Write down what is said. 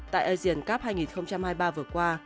tại asian cup hai nghìn hai mươi ba vừa qua